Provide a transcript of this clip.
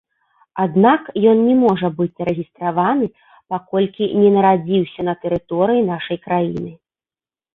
Аднак ён не можа быць зарэгістраваны, паколькі не нарадзіўся на тэрыторыі нашай краіны.